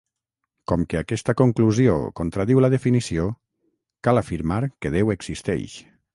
Com que aquesta conclusió contradiu la definició, cal afirmar que Déu existeix.